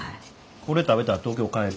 これ食べたら東京帰る。